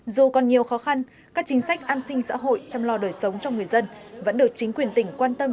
dù còn nhiều khó khăn các chính sách an sinh xã hội chăm lo đời sống cho người dân vẫn được chính quyền tỉnh quan tâm